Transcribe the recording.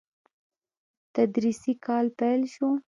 تدريسي کال پيل شو.